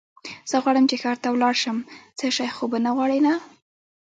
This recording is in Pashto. زه غواړم چې ښار ته ولاړ شم، څه شی خو به غواړې نه؟